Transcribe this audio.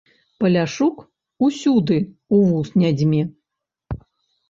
Паляшук усюды ў вус не дзьме.